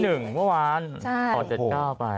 รางวัลที่๑เมื่อวานออก๗๙ไป